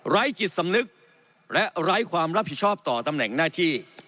จิตสำนึกและไร้ความรับผิดชอบต่อตำแหน่งหน้าที่